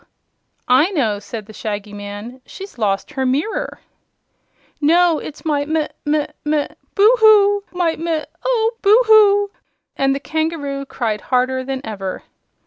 "I know," said the Shaggy Man; "she's lost her mirror." "No; it's my mi mi mi Boo hoo! My mi Oh, Boo hoo!" and the kangaroo cried harder than ever.